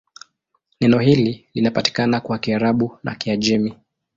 Neno hili linapatikana kwa Kiarabu na Kiajemi.